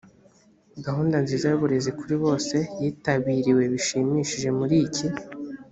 gahunda nziza y uburezi kuri bose yitabiriwe bishimishije muri iki